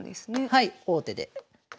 はい王手で。